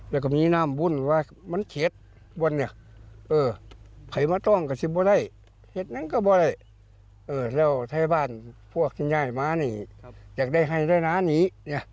แล้วท่าบ้านพวกชิงยายมานี่อยากได้ให้ด้วยนะนี่